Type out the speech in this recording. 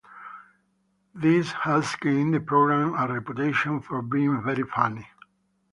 This has gained the programme a reputation for being very funny.